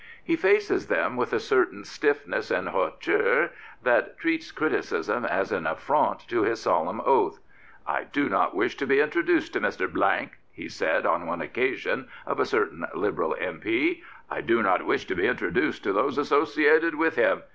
He faces them with a certain stiffness and hauteur that treats criticism as an affront to his solemn oath. " I do not wish to be introduced to Mr. he said on one occasion of a certain Liberal M.P. " I do not wish to be introduced to those associated with him.